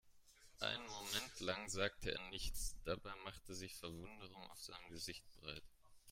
Einen Moment lang sagte er nichts, dabei machte sich Verwunderung auf seinem Gesicht breit.